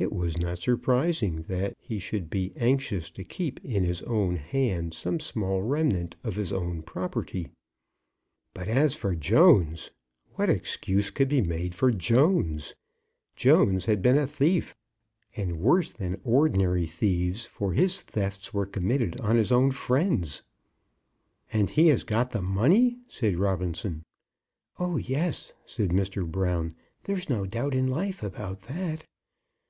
It was not surprising that he should be anxious to keep in his own hand some small remnant of his own property. But as for Jones! What excuse could be made for Jones! Jones had been a thief; and worse than ordinary thieves, for his thefts were committed on his own friends. "And he has got the money," said Robinson. "Oh, yes!" said Mr. Brown, "there's no doubt in life about that."